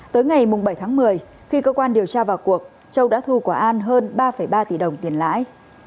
tới ngày bảy tháng một mươi khi cơ quan điều tra vào cuộc châu đã thu của an hơn ba ba tỷ đồng tiền lãi